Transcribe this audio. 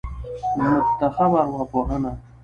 منتخبه ارواپوهنه